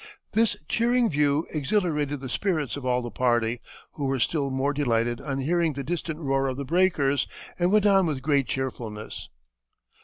This cheering view exhilarated the spirits of all the party, who were still more delighted on hearing the distant roar of the breakers, and went on with great cheerfulness."